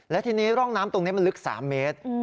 และทีนี้ร่องน้ำตรงนี้มันลึก๓เมตร